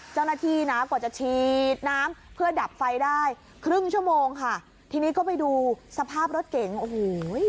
เจ้าหน้าที่นะกว่าจะฉีดน้ำเพื่อดับไฟได้ครึ่งชั่วโมงค่ะทีนี้ก็ไปดูสภาพรถเก๋งโอ้โห